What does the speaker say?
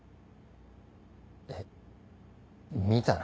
え見たの？